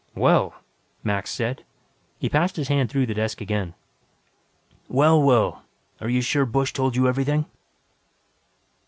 "Well!" Max said. He passed his hand through the desk again. "Well, well. Are you sure Busch told you everything?"